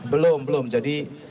belum belum jadi